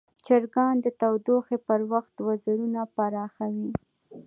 چرګان د تودوخې پر وخت وزرونه پراخوي.